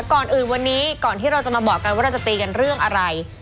ก่อนอื่นวันนี้ก่อนที่เราจะมาบอกกันว่าเราจะตีกันเรื่องอะไร